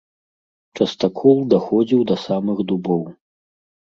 Частакол даходзіў да самых дубоў.